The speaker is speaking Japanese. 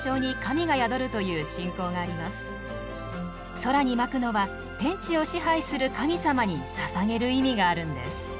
空にまくのは天地を支配する神様にささげる意味があるんです。